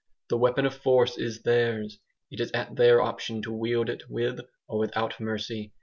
The weapon of force is theirs; it is at their option to wield it with or without mercy.